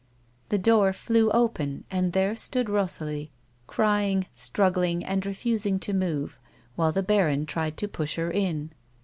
The door flew open and there stood Rosalie, crying struggling, and refusing to move, while the baron tried to push her in.